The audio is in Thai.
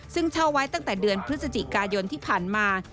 ซึ่งเช่าไว้ตั้งแต่เดือนพฤศจิกายนที่ผ่านมา